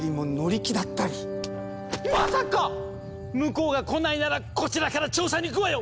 ⁉向こうが来ないならこちらから調査に行くわよ！